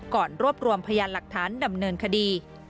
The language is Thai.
รวบรวมพยานหลักฐานดำเนินคดี